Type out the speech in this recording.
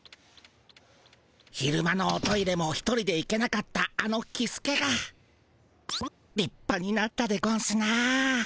昼間のおトイレも一人で行けなかったあのキスケがりっぱになったでゴンスなぁ。